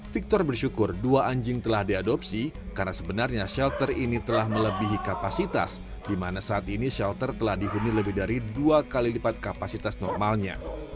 victor bersyukur dua anjing telah diadopsi karena sebenarnya shelter ini telah melebihi kapasitas di mana saat ini shelter telah dihuni lebih dari dua kali lipat kapasitas normalnya